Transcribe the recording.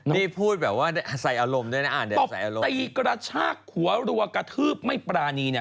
นี่พูดแบบว่าใส่อารมณ์ด้วยนะตบตีกระชากหัวรัวกระทืบไม่ปรานีเนี่ย